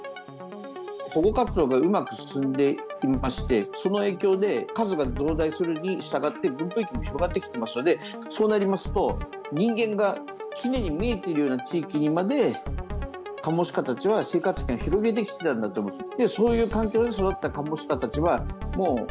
保護活動がうまく進んでいましてその影響で数が増大するにしたがって分布域も広がってきていますのでそうなりますと人間が常に見えている地域までカモシカたちは生活圏を広げてきていたんだと思います。